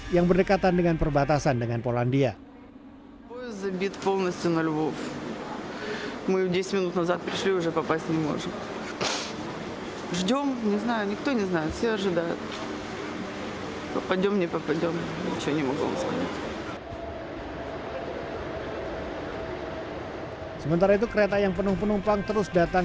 yang berdekatan dengan perbatasan dengan polandia